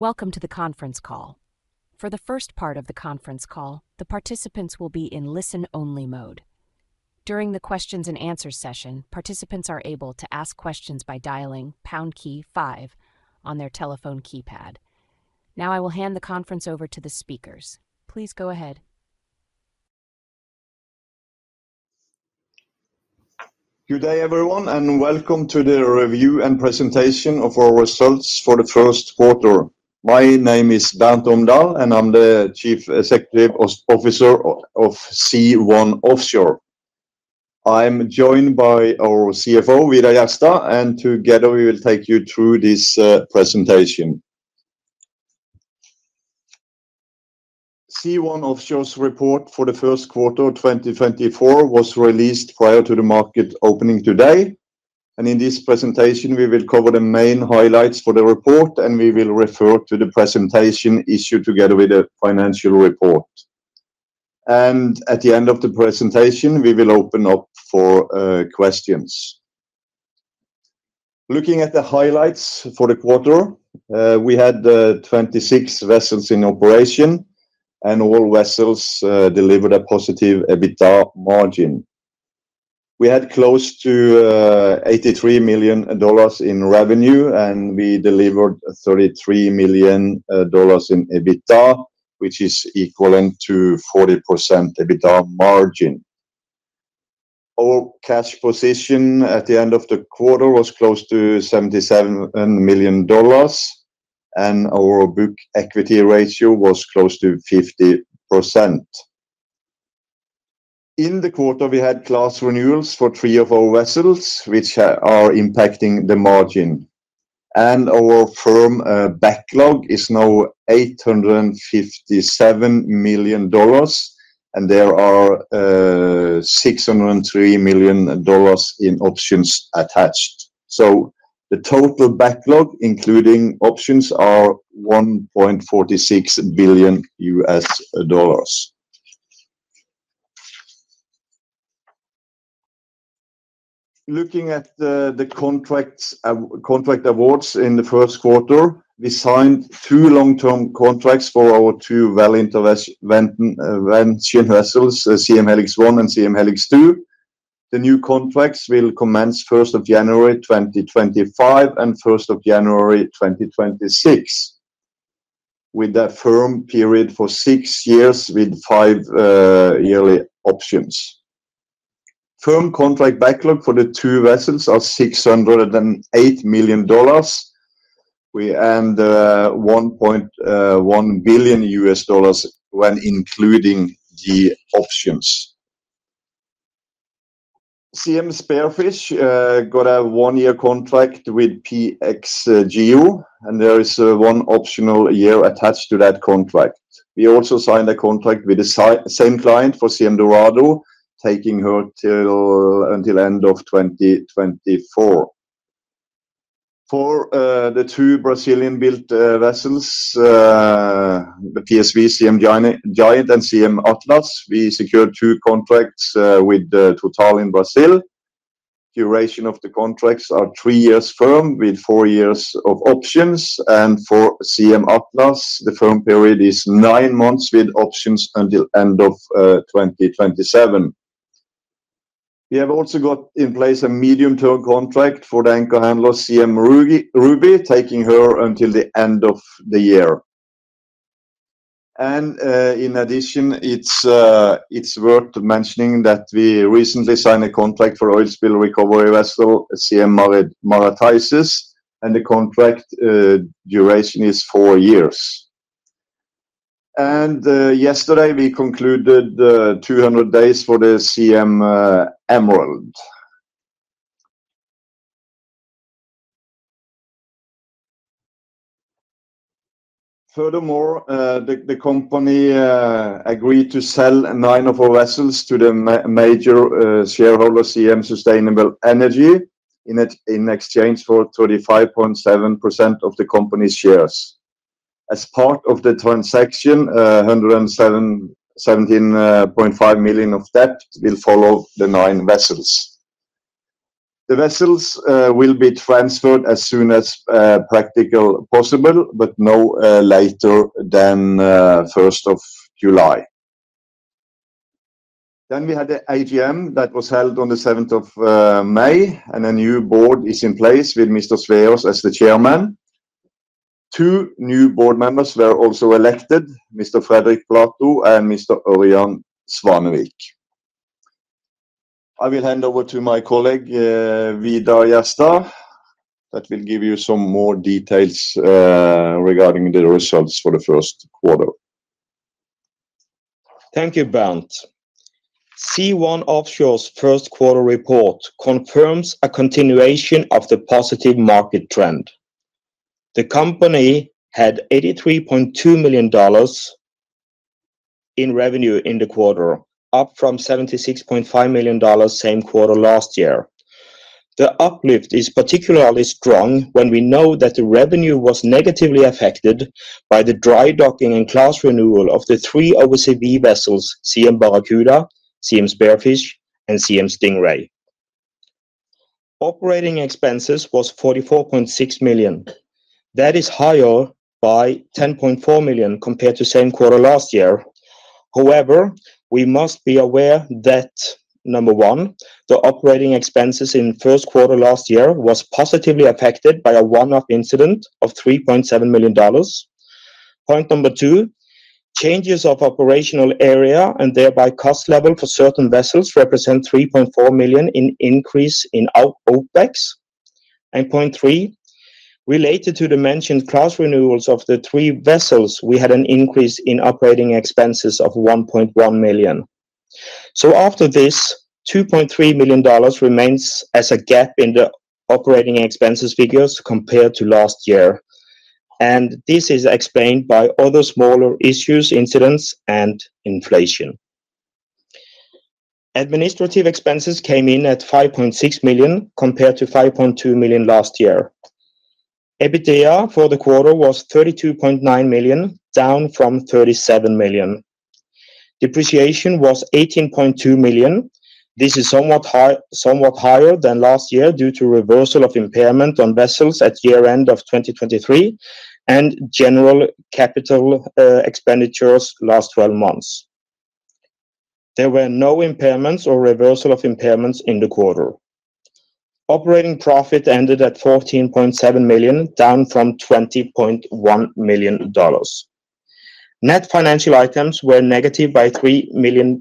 Welcome to the conference call. For the first part of the conference call, the participants will be in listen-only mode. During the questions-and-answers session, participants are able to ask questions by dialing pound key five on their telephone keypad. Now I will hand the conference over to the speakers. Please go ahead. Good day, everyone, and welcome to the review and presentation of our results for the first quarter. My name is Bernt Omdal, and I'm the Chief Executive Officer of Sea1 Offshore. I'm joined by our CFO, Vidar Jerstad, and together we will take you through this presentation. Sea1 Offshore's report for the first quarter 2024 was released prior to the market opening today, and in this presentation we will cover the main highlights for the report and we will refer to the presentation issued together with the financial report. At the end of the presentation we will open up for questions. Looking at the highlights for the quarter, we had 26 vessels in operation, and all vessels delivered a positive EBITDA margin. We had close to $83 million in revenue, and we delivered $33 million in EBITDA, which is equivalent to 40% EBITDA margin. Our cash position at the end of the quarter was close to $77 million, and our book equity ratio was close to 50%. In the quarter we had class renewals for three of our vessels, which are impacting the margin. Our firm backlog is now $857 million, and there are $603 million in options attached. The total backlog including options is $1.46 billion. Looking at the contract awards in the first quarter, we signed two long-term contracts for our two well intervention vessels, Siem Helix 1 and Siem Helix 2. The new contracts will commence 1st January 2025 and 1st January 2026, with a firm period for six years with five yearly options. Firm contract backlog for the two vessels is $608 million and $1.1 billion when including the options. Siem Spearfish got a one-year contract with PXGEO, and there is one optional year attached to that contract. We also signed a contract with the same client for Siem Dorado, taking her till end of 2024. For the two Brazilian-built vessels, the PSV Siem Giant and Siem Atlas, we secured two contracts with Total in Brazil. Duration of the contracts is three years firm with four years of options, and for Siem Atlas, the firm period is nine months with options until end of 2027. We have also got in place a medium-term contract for the anchor handler Siem Ruby, taking her until the end of the year. In addition, it's worth mentioning that we recently signed a contract for oil spill recovery vessel, Siem Marataizes, and the contract duration is four years. Yesterday we concluded 200 days for the Siem Emerald. Furthermore, the company agreed to sell nine of our vessels to the major shareholder, Siem Sustainable Energy, in exchange for 35.7% of the company's shares. As part of the transaction, $117.5 million of debt will follow the nine vessels. The vessels will be transferred as soon as practical possible, but no later than 1st July. Then we had the AGM that was held on the 7th of May, and a new board is in place with Mr. Sveaas as the chairman. Two new board members were also elected, Mr. Fredrik Platou and Mr. Ørjan Svanevik. I will hand over to my colleague, Vidar Jerstad, that will give you some more details regarding the results for the first quarter. Thank you, Bernt. Sea1 Offshore's first quarter report confirms a continuation of the positive market trend. The company had $83.2 million in revenue in the quarter, up from $76.5 million same quarter last year. The uplift is particularly strong when we know that the revenue was negatively affected by the dry docking and class renewal of the three OSCV vessels, Siem Barracuda, Siem Spearfish, and Siem Stingray. Operating expenses were $44.6 million. That is higher by $10.4 million compared to same quarter last year. However, we must be aware that, number one, the operating expenses in first quarter last year were positively affected by a one-off incident of $3.7 million. Point number two, changes of operational area and thereby cost level for certain vessels represent $3.4 million in increase in OpEx. Point three, related to the mentioned Class renewals of the three vessels, we had an increase in operating expenses of $1.1 million. So after this, $2.3 million remains as a gap in the operating expenses figures compared to last year. And this is explained by other smaller issues, incidents, and inflation. Administrative expenses came in at $5.6 million compared to $5.2 million last year. EBITDA for the quarter was $32.9 million, down from $37 million. Depreciation was $18.2 million. This is somewhat higher than last year due to reversal of impairment on vessels at year-end of 2023 and general capital expenditures last 12 months. There were no impairments or reversal of impairments in the quarter. Operating profit ended at $14.7 million, down from $20.1 million. Net financial items were negative by $3 million,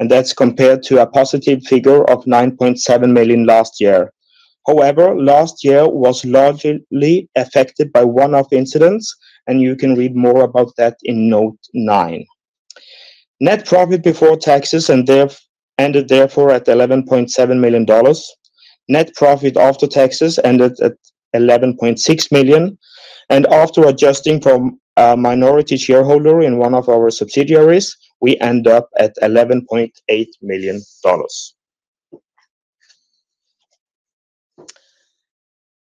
and that's compared to a positive figure of $9.7 million last year. However, last year was largely affected by one-off incidents, and you can read more about that in note nine. Net profit before taxes ended therefore at $11.7 million. Net profit after taxes ended at $11.6 million. And after adjusting from minority shareholder in one of our subsidiaries, we end up at $11.8 million.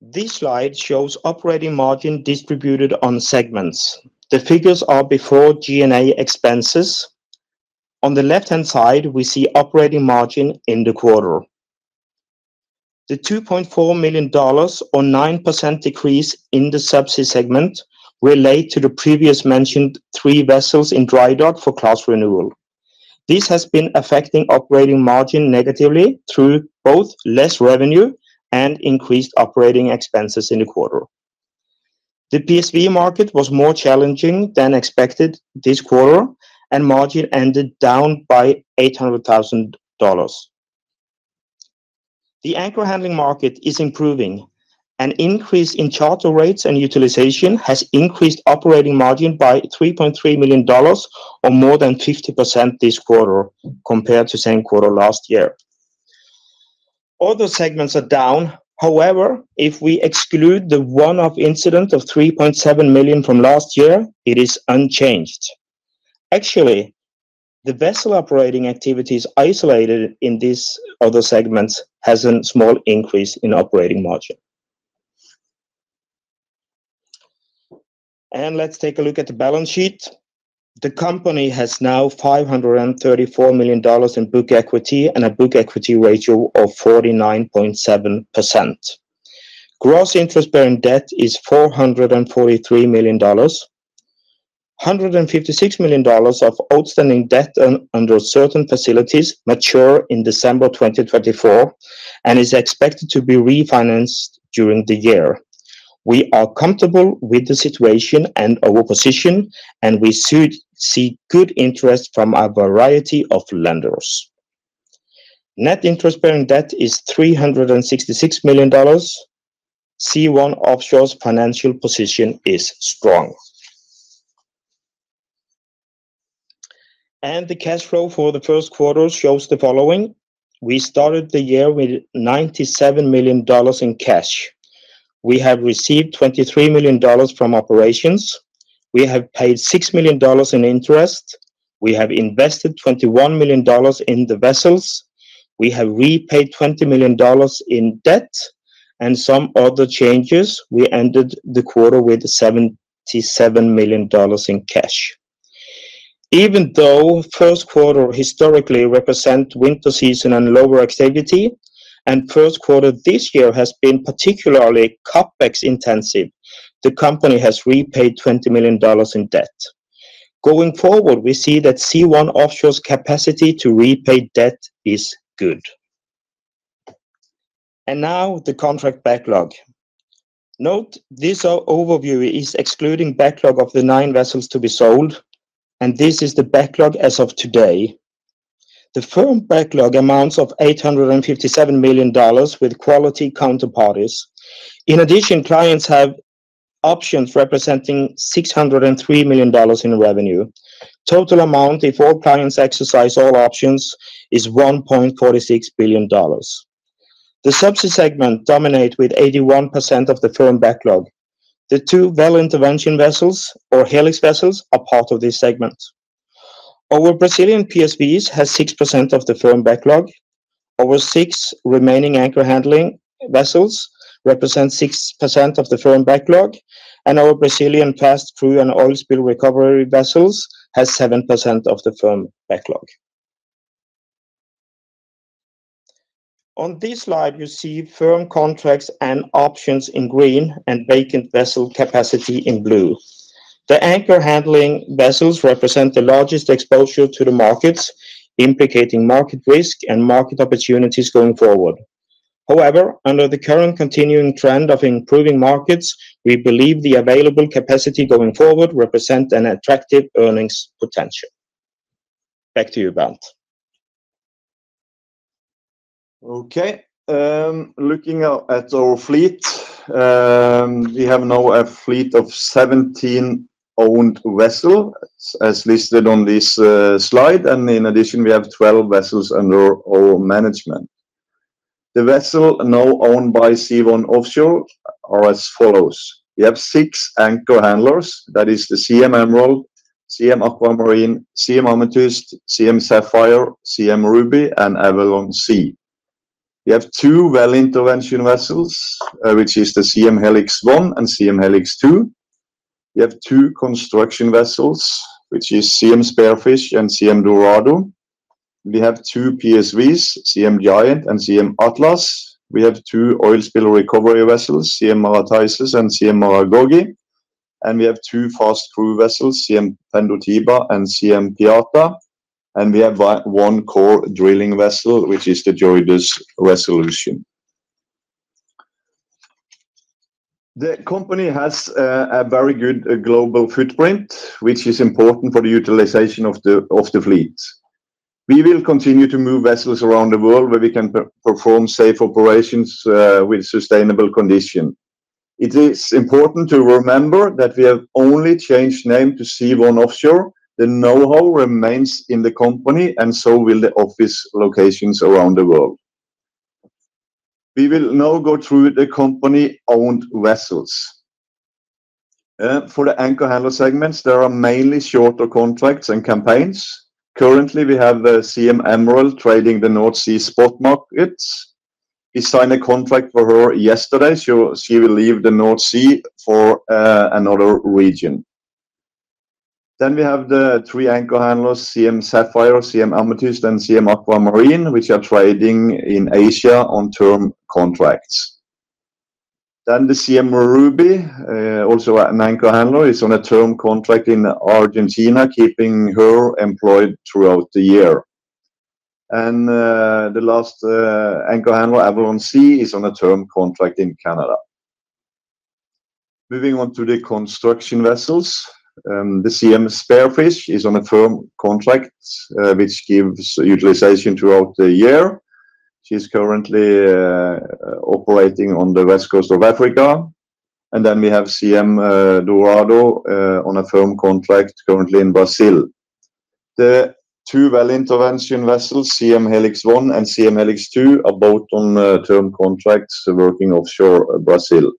This slide shows operating margin distributed on segments. The figures are before G&A expenses. On the left-hand side, we see operating margin in the quarter. The $2.4 million or 9% decrease in the subsea segment relates to the previously mentioned three vessels in dry dock for class renewal. This has been affecting operating margin negatively through both less revenue and increased operating expenses in the quarter. The PSV market was more challenging than expected this quarter, and margin ended down by $800,000. The anchor handling market is improving. An increase in charter rates and utilization has increased operating margin by $3.3 million or more than 50% this quarter compared to same quarter last year. Other segments are down. However, if we exclude the one-off incident of $3.7 million from last year, it is unchanged. Actually, the vessel operating activities isolated in these other segments have a small increase in operating margin. And let's take a look at the balance sheet. The company has now $534 million in book equity and a Book Equity Ratio of 49.7%. Gross interest bearing debt is $443 million. $156 million of outstanding debt under certain facilities matured in December 2024 and is expected to be refinanced during the year. We are comfortable with the situation and our position, and we see good interest from a variety of lenders. Net interest bearing debt is $366 million. Sea1 Offshore's financial position is strong. The cash flow for the first quarter shows the following. We started the year with $97 million in cash. We have received $23 million from operations. We have paid $6 million in interest. We have invested $21 million in the vessels. We have repaid $20 million in debt. And some other changes, we ended the quarter with $77 million in cash. Even though first quarter historically represents winter season and lower activity, and first quarter this year has been particularly CapEx-intensive, the company has repaid $20 million in debt. Going forward, we see that Sea1 Offshore's capacity to repay debt is good. Now the contract backlog. Note this overview is excluding backlog of the nine vessels to be sold, and this is the backlog as of today. The firm backlog amounts to $857 million with quality counterparties. In addition, clients have options representing $603 million in revenue. Total amount if all clients exercise all options is $1.46 billion. The subsea segment dominates with 81% of the firm backlog. The two well intervention vessels, or Helix vessels, are part of this segment. Our Brazilian PSVs have 6% of the firm backlog. Our six remaining anchor handling vessels represent 6% of the firm backlog, and our Brazilian fast crew and oil spill recovery vessels have 7% of the firm backlog. On this slide, you see firm contracts and options in green and vacant vessel capacity in blue. The anchor handling vessels represent the largest exposure to the markets, implicating market risk and market opportunities going forward. However, under the current continuing trend of improving markets, we believe the available capacity going forward represents an attractive earnings potential. Back to you, Bernt. Okay. Looking at our fleet, we have now a fleet of 17 owned vessels, as listed on this slide. In addition, we have 12 vessels under our management. The vessels now owned by Sea1 Offshore are as follows. We have six anchor handlers. That is the Siem Emerald, Siem Aquamarine, Siem Amethyst, Siem Sapphire, Siem Ruby, and Avalon Sea. We have two well intervention vessels, which are the Siem Helix 1 and Siem Helix 2. We have two construction vessels, which are the Siem Spearfish and Siem Dorado. We have two PSVs, Siem Giant and Siem Atlas. We have two oil spill recovery vessels, Siem Marataizes and Siem Maragogi. We have two fast crew vessels, Siem Pendotiba and Siem Piata. We have one core drilling vessel, which is the JOIDES Resolution. The company has a very good global footprint, which is important for the utilization of the fleet. We will continue to move vessels around the world where we can perform safe operations with sustainable conditions. It is important to remember that we have only changed name to Sea1 Offshore. The know-how remains in the company, and so will the office locations around the world. We will now go through the company-owned vessels. For the anchor handler segments, there are mainly shorter contracts and campaigns. Currently, we have Siem Emerald trading the North Sea spot markets. We signed a contract for her yesterday, so she will leave the North Sea for another region. We have the three anchor handlers, Siem Sapphire, Siem Amethyst, and Siem Aquamarine, which are trading in Asia on term contracts. The Siem Ruby, also an anchor handler, is on a term contract in Argentina, keeping her employed throughout the year. The last anchor handler, Avalon Sea, is on a term contract in Canada. Moving on to the construction vessels, the Siem Spearfish is on a firm contract, which gives utilization throughout the year. She is currently operating on the west coast of Africa. Then we have Siem Dorado on a firm contract currently in Brazil. The two well-intervention vessels, Siem Helix 1 and Siem Helix 2, are both on term contracts working offshore Brazil.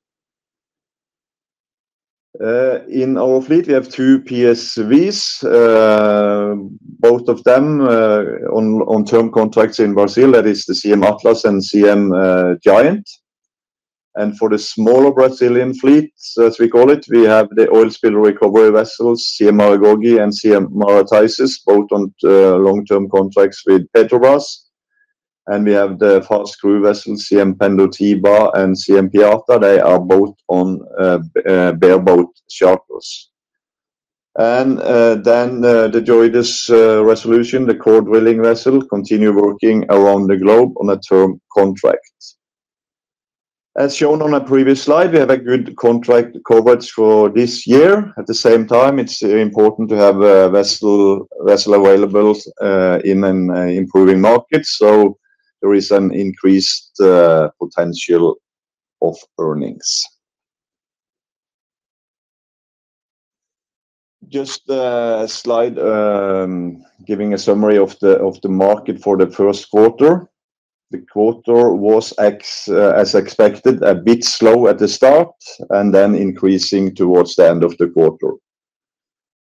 In our fleet, we have two PSVs, both of them on term contracts in Brazil. That is the Siem Atlas and Siem Giant. For the smaller Brazilian fleet, as we call it, we have the oil spill recovery vessels, Siem Maragogi and Siem Marataizes, both on long-term contracts with Petrobras. We have the fast crew vessels, Siem Pendotiba and Siem Piata. They are both on bareboat charters. Then the JOIDES Resolution, the core drilling vessel, continues working around the globe on a term contract. As shown on a previous slide, we have a good contract coverage for this year. At the same time, it's important to have a vessel available in an improving market, so there is an increased potential of earnings. Just a slide giving a summary of the market for the first quarter. The quarter was, as expected, a bit slow at the start and then increasing towards the end of the quarter.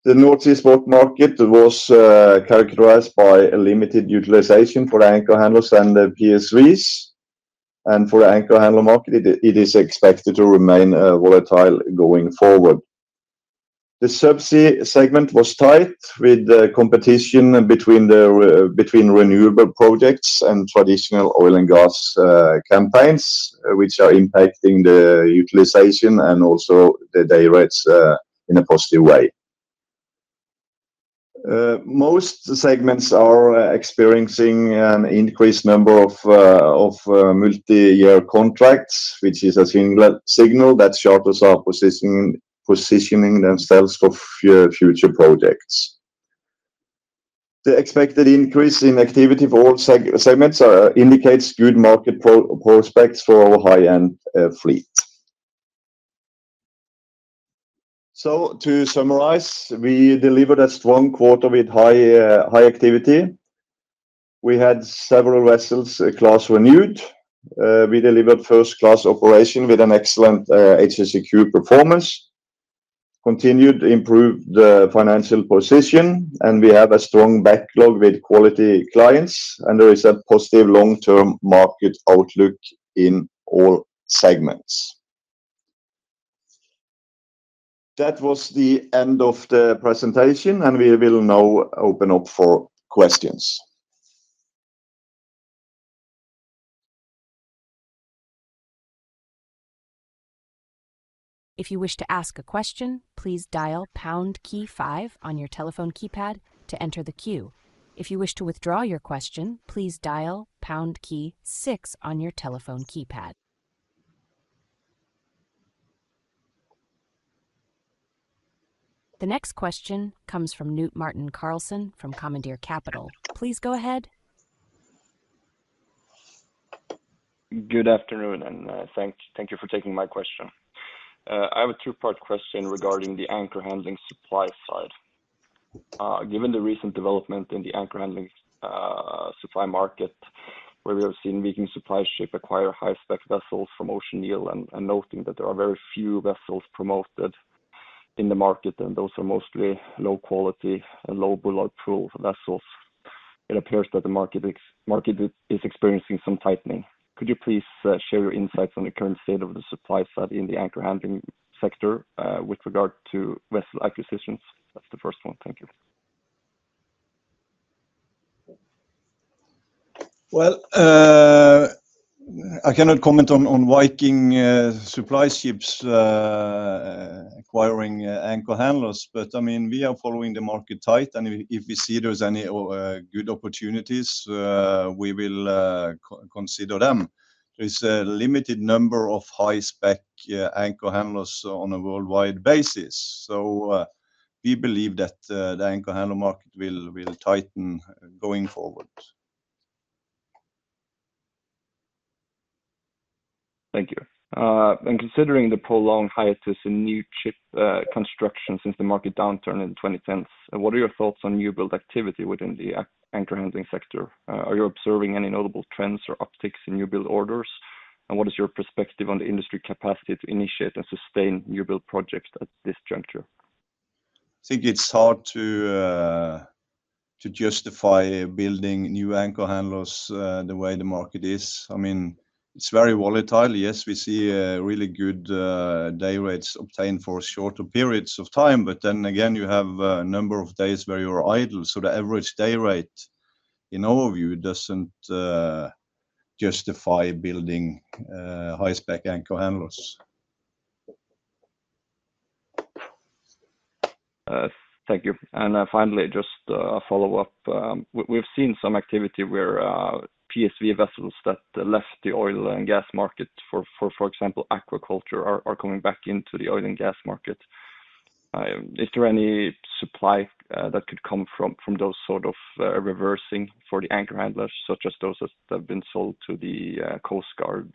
The North Sea spot market was characterized by limited utilization for the anchor handlers and the PSVs. For the anchor handler market, it is expected to remain volatile going forward. The subsea segment was tight with competition between renewable projects and traditional oil and gas campaigns, which are impacting the utilization and also the day rates in a positive way. Most segments are experiencing an increased number of multi-year contracts, which is a signal that charterers are positioning themselves for future projects. The expected increase in activity for all segments indicates good market prospects for our high-end fleet. So to summarize, we delivered a strong quarter with high activity. We had several vessels class renewed. We delivered first-class operation with an excellent HSEQ performance, continued to improve the financial position, and we have a strong backlog with quality clients. And there is a positive long-term market outlook in all segments. That was the end of the presentation, and we will now open up for questions. If you wish to ask a question, please dial pound key five on your telephone keypad to enter the queue. If you wish to withdraw your question, please dial pound key six on your telephone keypad. The next question comes from Knut Marthin Karlsen from Commandeer Capital. Please go ahead. Good afternoon, and thank you for taking my question. I have a two-part question regarding the anchor handling supply side. Given the recent development in the anchor handling supply market, where we have seen Viking Supply Ships acquire high-spec vessels from Ocean Yield, and noting that there are very few vessels promoted in the market, and those are mostly low-quality and low bollard pull vessels, it appears that the market is experiencing some tightening. Could you please share your insights on the current state of the supply side in the anchor handling sector with regard to vessel acquisitions? That's the first one. Thank you. Well, I cannot comment on Viking Supply Ships acquiring anchor handlers, but I mean, we are following the market tight, and if we see there's any good opportunities, we will consider them. There is a limited number of high-spec anchor handlers on a worldwide basis, so we believe that the anchor handler market will tighten going forward. Thank you. Considering the prolonged hiatus in new ship construction since the market downturn in the 2010s, what are your thoughts on new build activity within the anchor handling sector? Are you observing any notable trends or upticks in new build orders? What is your perspective on the industry capacity to initiate and sustain new build projects at this juncture? I think it's hard to justify building new anchor handlers the way the market is. I mean, it's very volatile. Yes, we see really good day rates obtained for shorter periods of time, but then again, you have a number of days where you're idle. So the average day rate, in overview, doesn't justify building high-spec anchor handlers. Thank you. And finally, just a follow-up. We've seen some activity where PSV vessels that left the oil and gas market, for example, aquaculture, are coming back into the oil and gas market. Is there any supply that could come from those sort of reversing for the anchor handlers, such as those that have been sold to the Coast Guard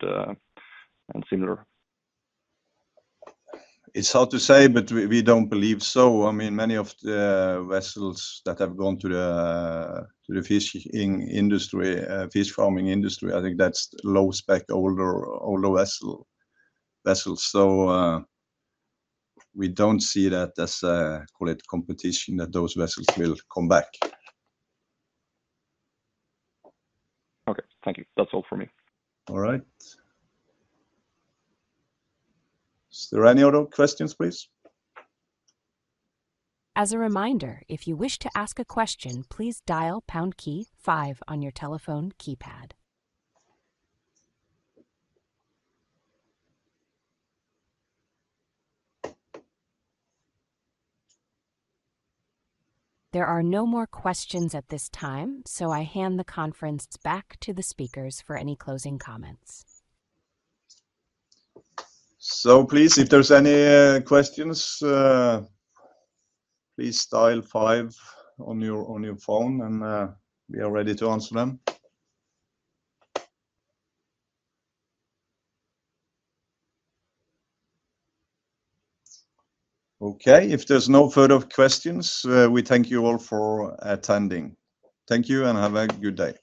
and similar? It's hard to say, but we don't believe so. I mean, many of the vessels that have gone to the fishing industry, fish farming industry, I think that's low-spec older vessels. So we don't see that as, call it, competition that those vessels will come back. Okay. Thank you. That's all from me. All right. Is there any other questions, please? As a reminder, if you wish to ask a question, please dial pound key five on your telephone keypad. There are no more questions at this time, so I hand the conference back to the speakers for any closing comments. So please, if there's any questions, please dial five on your phone, and we are ready to answer them. Okay. If there's no further questions, we thank you all for attending. Thank you, and have a good day.